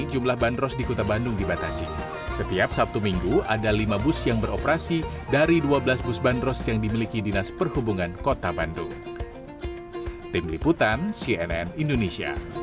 jembatan penyeberangan orang lenteng agung